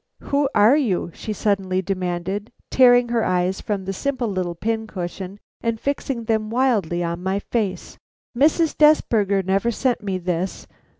"Who are you?" she suddenly demanded, tearing her eyes from this simple little cushion and fixing them wildly on my face. "Mrs. Desberger never sent me this.